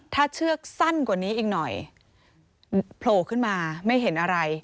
ถ้าเชือกสั้นกว่านี้อีกหน่อยโผล่ขึ้นมาไม่เห็นอะไร